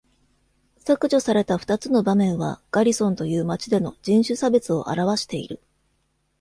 削除された二つの場面はガリソンという町での人種差別を表している。